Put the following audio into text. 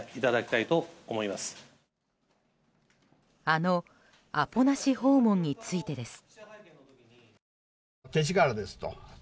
あのアポなし訪問についてです。